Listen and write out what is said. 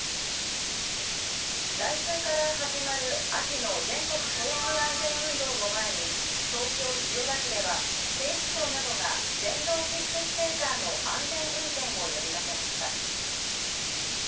来週から始まる秋の全国交通安全運動を前に、東京・千代田区では、警視庁などが電動キックスケーターの安全運転を呼びかけました。